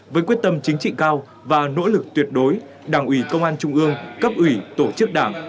với quyết tâm chính trị cao và nỗ lực tuyệt đối đảng ủy công an trung ương cấp ủy tổ chức đảng